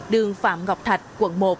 đường phạm ngọc thạch quận một